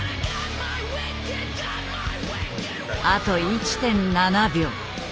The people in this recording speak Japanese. あと１．７秒。